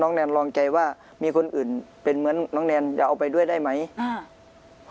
แนนลองใจว่ามีคนอื่นเป็นเหมือนน้องแนนจะเอาไปด้วยได้ไหมอ่า